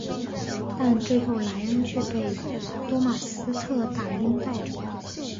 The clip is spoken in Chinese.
但最后莱恩却被多马斯特打晕带走。